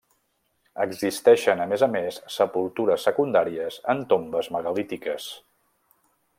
Existeixen a més a més sepultures secundàries en tombes megalítiques.